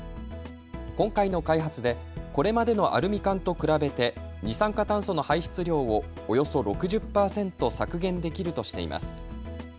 今回の開発でこれまでのアルミ缶と比べて二酸化炭素の排出量をおよそ６０％削減できるとしています。